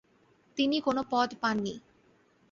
তিনি কোনো পদ পাননি।